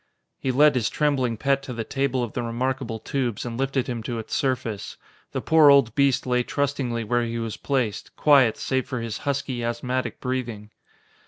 He led his trembling pet to the table of the remarkable tubes and lifted him to its surface. The poor old beast lay trustingly where he was placed, quiet, save for his husky asthmatic breathing.